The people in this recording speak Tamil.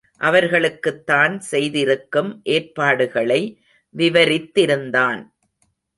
அவர்களுக்குத் தான் செய்திருக்கும் ஏற்பாடுகளை விவரித்திருந்தான்.